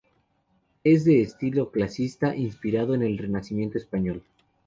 Es de estilo clasicista inspirado en el renacimiento español.